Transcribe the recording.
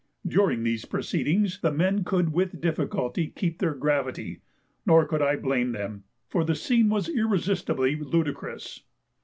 During these proceedings the men could with difficulty keep their gravity; nor could I blame them, for the scene was irresistibly ludicrous.